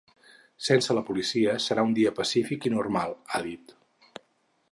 Sense la policia serà un dia pacífic i normal, ha dit.